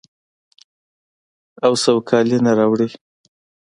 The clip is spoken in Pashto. او سوکالي نه راوړي.